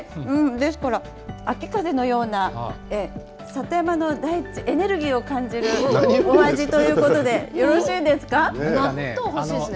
ですから、秋風のような里山の大地、エネルギーを感じるお味とい納豆欲しいですね。